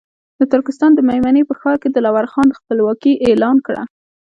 د ترکستان د مېمنې په ښار کې دلاور خان خپلواکي اعلان کړه.